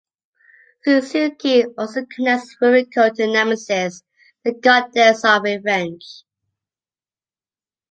Suzuki also connects Ruriko to Nemesis, the goddess of revenge.